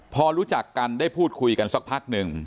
พอรู้จักกันได้พูดคุยกันสักพักหนึ่ง